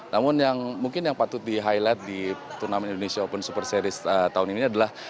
namun yang mungkin yang patut di highlight di turnamen indonesia open super series tahun ini adalah